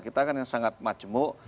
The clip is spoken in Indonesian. kita kan yang sangat majemuk